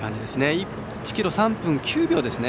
１ｋｍ、３分９秒ですね。